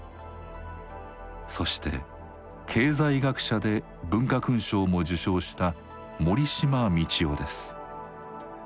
そして経済学者で文化勲章も受章した森嶋通夫です。